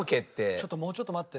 ちょっともうちょっと待って。